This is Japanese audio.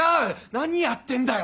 何やってんだよ？